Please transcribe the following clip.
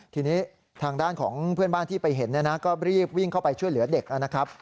ทีนี้ทางด้านของเพื่อนบ้านที่ไปเห็นเนี่ยนะก็รีบวิ่งเข้าไปช่วยเหลือเด็กนะครับ